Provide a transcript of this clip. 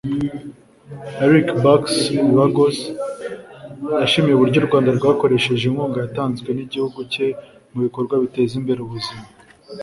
Erica Barcks Ruggles yashimiye uburyo u Rwanda rwakoresheje inkunga yatanzwe n’igihugu cye mu bikorwa biteza imbere ubuzima